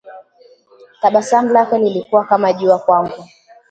Tabasamu lake lilikuwa kama jua kwangu